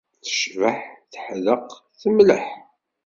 Tecbeḥ, teḥdeq, temleḥ.